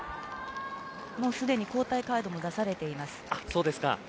もうすでに交代カードも出されています。